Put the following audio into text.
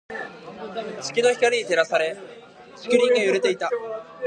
月の光に照らされ、竹林が揺れていた。